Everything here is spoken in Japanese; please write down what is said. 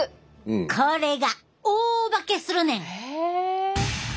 これが大化けするねん！へえ。